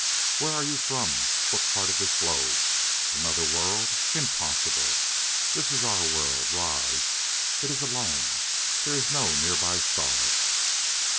"Where are you from? what part of this globe?... Another world? Impossible! This is our own world, Rajj. It is alone. There is no nearby star."